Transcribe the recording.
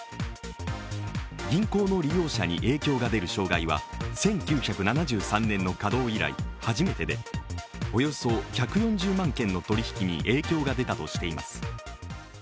銀行の利用者に影響が出る障害は１９７３年の稼働以来初めてで、およそ１４０万件の取り引きに影響が出たとしています。